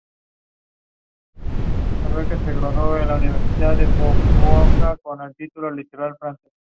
España y la Unión Europea lo consideraron un acto de piratería.